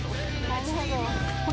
なるほど。